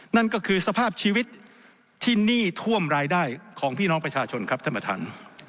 นั่นก็คือสภาพชีวิตที่หนี้ท่วมรายได้ของพี่น้องประชาชนครับท่านประธาน